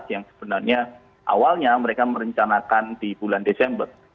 yang sebenarnya awalnya mereka merencanakan di bulan desember